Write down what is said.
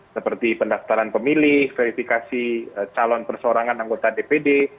seperti pendaftaran pemilih verifikasi calon persorangan anggota dpd